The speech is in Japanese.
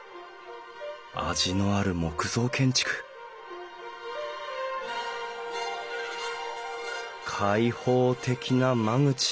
味のある木造建築開放的な間口。